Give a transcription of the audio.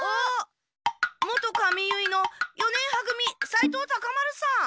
元髪結いの四年は組斉藤タカ丸さん。